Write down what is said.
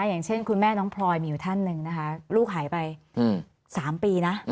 อย่างเช่นคุณแม่น้องพลอยมีอยู่ท่านหนึ่งนะคะลูกหายไป๓ปีนะ